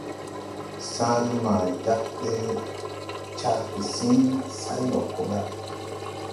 Sããre maa jāg ɓe car gesiŋ say ndo ko da.